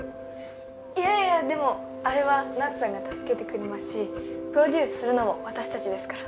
いやいやでもあれはナツさんが助けてくれますしプロデュースするのも私たちですから。